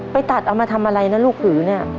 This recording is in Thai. ไปตัดเอามาทำอะไรนะลูกหือเนี่ย